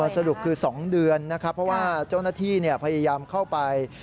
สรุปคือ๒เดือนนะครับเพราะว่าเจ้าหน้าที่พยายามเข้าไป